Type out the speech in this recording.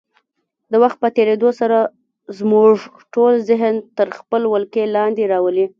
د وخت په تېرېدو سره زموږ ټول ذهن تر خپلې ولکې لاندې راولي.